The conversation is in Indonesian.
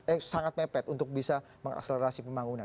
eh sangat mepet untuk bisa mengakselerasi pembangunan